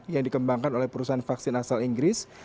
yang dikembangkan oleh perusahaan vaksin asal inggris